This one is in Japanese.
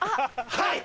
はい！